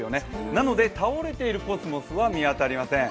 なので倒れているコスモスは見当たりません。